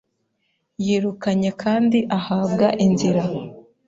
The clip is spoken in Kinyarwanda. yirukanye kandi ahabwa inzira.